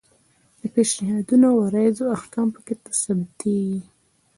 د پیشنهادونو او عرایضو احکام پکې ثبتیږي.